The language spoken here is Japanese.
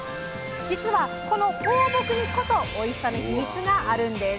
実はこの放牧にこそおいしさのヒミツがあるんです。